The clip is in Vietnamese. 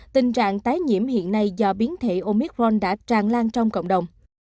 tình trạng tái nhiễm hiện nay do biến thể omicron đã tràn lan trong cộng đồng